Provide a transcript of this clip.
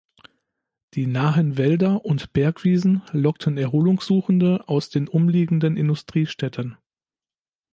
Die nahen Wälder und Bergwiesen lockten Erholungssuchende aus den umliegenden Industriestädten.